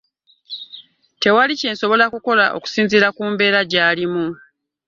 Tewali kyensobola kukola okusinzira ku mbera gy'alimu .